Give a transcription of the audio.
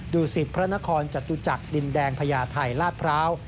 ดูสิตพระนครจตุจักรดินแดงพญาไทยลาดพร้าว